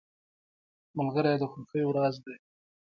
ملګری د خوښیو راز دی.